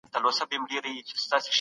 آيا سياسي فکر لرغوني يونان ته رسيږي؟